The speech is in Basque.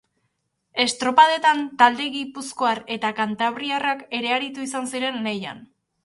Estropadetan talde gipuzkoar eta kantabriarrak ere aritu izan ziren lehian.